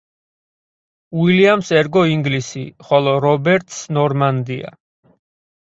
უილიამს ერგო ინგლისი, ხოლო რობერტს ნორმანდია.